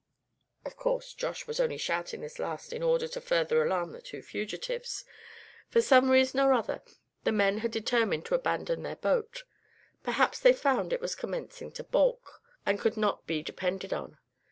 Of course Josh was only shouting this last in order to further alarm the two fugitives. For some reason or other the men had determined to abandon their boat. Perhaps they found it was commencing to balk, and could not be depended on.